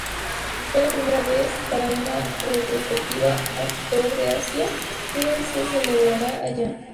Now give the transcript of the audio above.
Fue la primera vez para una retrospectiva actor de Asia, que se celebrará allí.